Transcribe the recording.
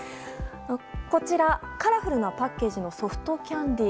こちら、カラフルなパッケージのソフトキャンディー。